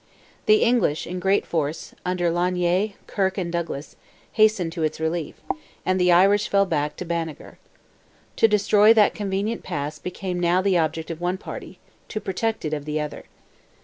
The English, in great force, under Lanier, Kirke, and Douglas, hastened to its relief, and the Irish fell back to Banagher. To destroy "that convenient pass" became now the object of one party, to protect it, of the other.